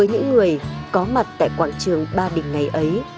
với những người có mặt tại quảng trường ba bình ngày ấy